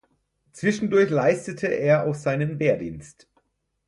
Zwischendurch leistete er auch seinen Wehrdienst.